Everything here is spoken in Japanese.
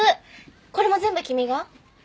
これも全部君が？